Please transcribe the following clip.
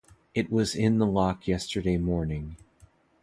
It was in the lock yesterday morning.